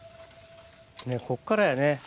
こっからやね